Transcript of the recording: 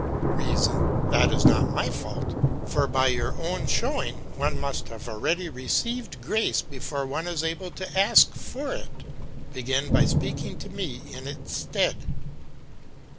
"REASON: That is not my fault; for by your own showing, one must have already received grace before one is able to ask for it. Begin by speaking to me in its stead.